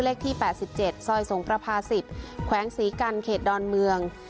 เลขที่แปดสิบเจ็ดซอยสงประพาสิบแขวงสีกันเขตดอนเมือง